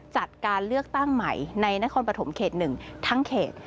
จัดการเลือกตั้งใหม่ในนครปฐมเขต๑ทั้งเขต